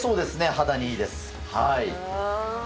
肌にいいです。